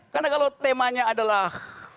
karena kalau temanya adalah